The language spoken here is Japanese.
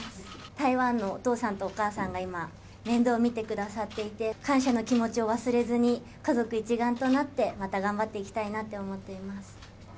台湾のお父さんとお母さんが今、面倒を見てくださっていて、感謝の気持ちを忘れずに、家族一丸となって、また頑張っていきたいなって思っています。